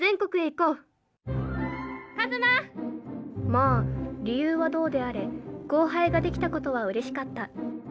まあ理由はどうであれ後輩ができたことはうれしかった。